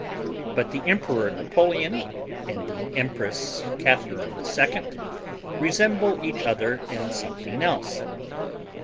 But the Emperor Napoleon and the Empress Catharine II. resemble each other in something else.